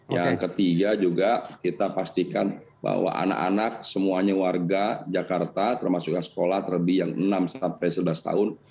yang ketiga juga kita pastikan bahwa anak anak semuanya warga jakarta termasuk yang sekolah terlebih yang enam sampai sebelas tahun